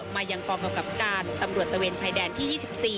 มายังกองกำกับการตำรวจตะเวนชายแดนที่๒๔